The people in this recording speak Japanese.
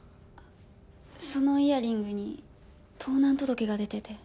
そのイヤリングに盗難届が出てて。